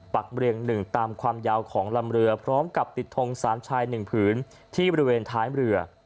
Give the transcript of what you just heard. เรียง๑ตามความยาวของลำเรือพร้อมกับติดทงสารชาย๑ผืนที่บริเวณท้ายเรือ